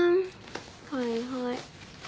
はいはい。